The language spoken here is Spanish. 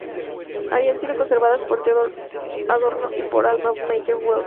Habían sido conservadas por Theodor Adorno y por Alma Mahler-Werfel.